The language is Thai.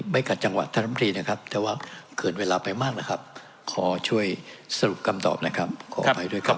กัดจังหวัดท่านลำตรีนะครับแต่ว่าเกินเวลาไปมากนะครับขอช่วยสรุปคำตอบนะครับขออภัยด้วยครับ